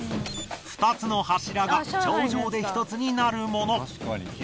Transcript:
２つの柱が頂上で１つになるもの。